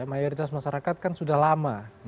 mayoritas masyarakat kan sudah lama